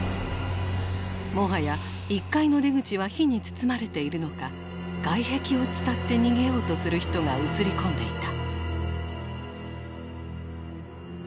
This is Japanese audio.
もはや１階の出口は火に包まれているのか外壁を伝って逃げようとする人が映り込んでいた。